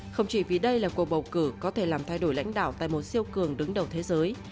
không chỉ vì đây là cuộc bầu cử có thể làm thay đổi lãnh đạo tại một siêu cường đứng đầu thế giới